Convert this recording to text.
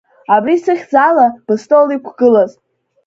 Абри сыхьӡала быстол иқәгылаз.